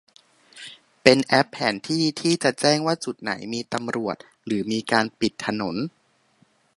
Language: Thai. เป็นแอปแผนที่ที่จะแจ้งว่าจุดไหนมีตำรวจหรือมีการปิดถนน